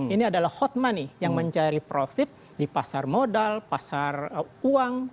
ini adalah hot money yang mencari profit di pasar modal pasar uang